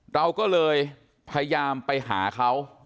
เราก็เลยพยายามไปหาเขา